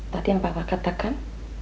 tadi yang bapak katakan